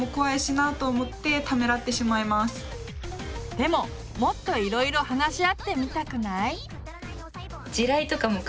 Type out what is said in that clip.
でももっといろいろ話し合ってみたくない？